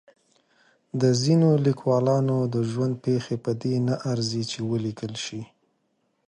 د ځینو لیکوالانو د ژوند پېښې په دې نه ارزي چې ولیکل شي.